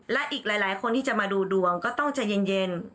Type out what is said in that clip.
และอีกหลายคนที่จะมาดูดวงก็ต้องใจเย็น